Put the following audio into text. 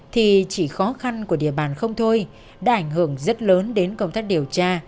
thì chỉ khó khăn của địa bàn không thôi đã ảnh hưởng rất lớn đến công tác điều tra